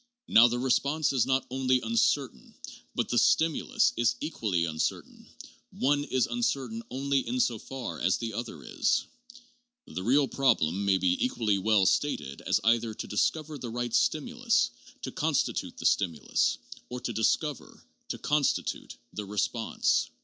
Now the response is not only uncertain, but the stimulus is equally uncertain ; one is uncertain only in so far as the other is. The real problem may be equally well stated as either to discover the right stimulus, to constitute the stimulus, or to discover, to constitute, the response.